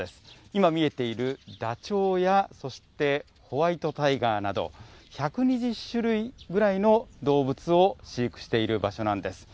今、見えているダチョウやそして、ホワイトタイガーなど、１２０種類ぐらいの動物を飼育している場所なんです。